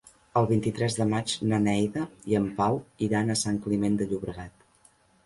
El vint-i-tres de maig na Neida i en Pau iran a Sant Climent de Llobregat.